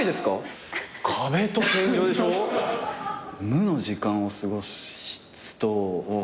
無の時間を過ごすと。